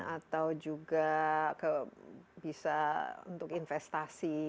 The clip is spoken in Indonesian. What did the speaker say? atau juga bisa untuk investasi